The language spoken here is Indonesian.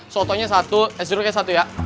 sotonya satu es jeruknya satu ya